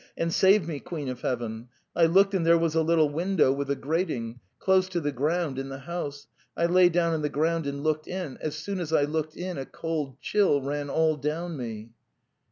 and save me, Queen of Heaven! I looked and there was a little window with a grat ing, ... close to the grount, in the house. ... I lay down on the ground and looked in; as soon as I looked in a cold chill ran all down me.